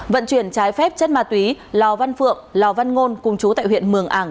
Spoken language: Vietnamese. vận chuyển trái phép chất ma túy lò văn phượng lò văn ngôn cùng chú tại huyện mường ảng